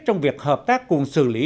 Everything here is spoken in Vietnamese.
trong việc hợp tác cùng xử lý